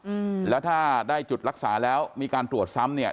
อืมแล้วถ้าได้จุดรักษาแล้วมีการตรวจซ้ำเนี่ย